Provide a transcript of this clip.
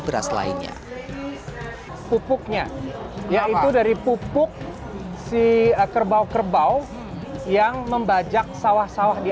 beras lainnya pupuknya yaitu dari pupuk si kerbau kerbau yang membajak sawah sawah di